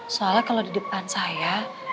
soalnya kalau di depan saya